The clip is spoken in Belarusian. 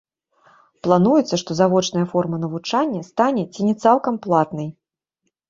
Плануецца, што завочная форма навучання стане ці не цалкам платнай.